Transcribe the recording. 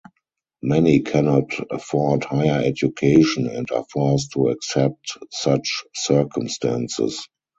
Many cannot afford higher education and are forced to accept such circumstances.